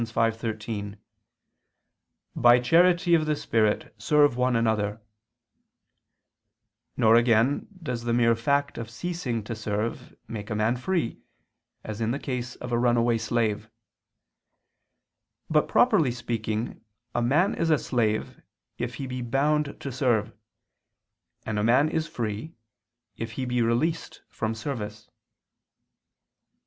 5:13, "By charity of the spirit serve one another": nor again does the mere fact of ceasing to serve make a man free, as in the case of a runaway slave; but properly speaking a man is a slave if he be bound to serve, and a man is free if he be released from service.